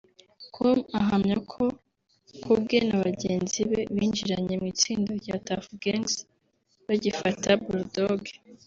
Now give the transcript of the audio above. com ahamya ko ku bwe na bagenzi be binjiranye mu itsinda rya Tuff Gangz bagifata Bull Dogg